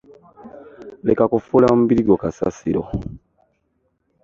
Leka kufuula mubiri gwo kasasiro.